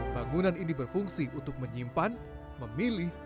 bangunan ini berfungsi untuk menyimpan memilih